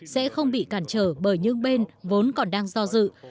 sẽ không bị cản trở bởi những bên vốn còn đang do dự